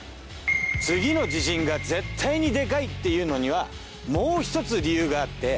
次の地震が絶対にでかいっていうのにはもうひとつ理由があって。